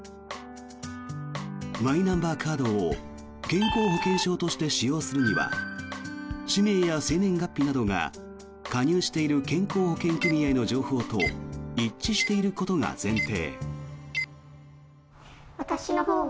マイナンバーカードを健康保険証として使用するには氏名や生年月日などが加入している健康保険組合の情報と一致していることが前提。